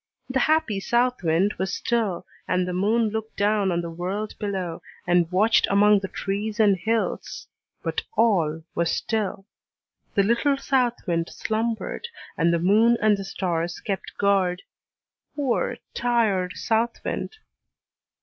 The happy south wind was still, and the moon looked down on the world below, and watched among the trees and hills, but all was still: the little south wind slumbered, and the moon and the stars kept guard, poor, tired south wind!